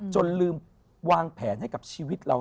จนลืมวางแผนให้กับชีวิตเรา